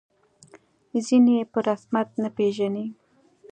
ځینې یې په رسمیت نه پېژني.